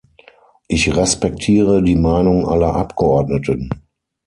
Ich respektiere die Meinung aller Abgeordneten.